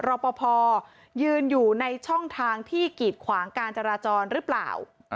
รอปภยืนอยู่ในช่องทางที่กีดขวางการจราจรหรือเปล่า